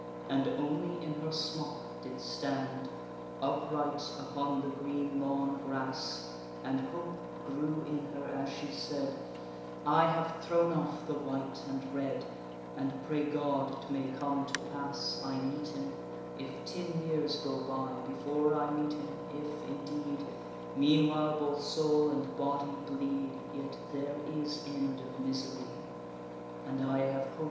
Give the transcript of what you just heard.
And only in her smock, did stand Upright upon the green lawn grass; And hope grew in her as she said: I have thrown off the white and red, And pray God it may come to pass I meet him; if ten years go by Before I meet him; if, indeed, Meanwhile both soul and body bleed, Yet there is end of misery, And I have hope.